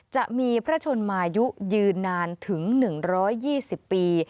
จะมีพระชนมายุยืนนานถึง๑๒๐ปี